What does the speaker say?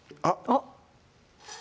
あっ！